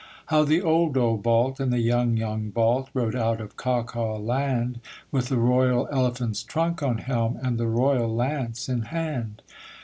How the old old Balt and the young young Balt Rode out of Caucaland, With the royal elephant's trunk on helm And the royal lance in hand.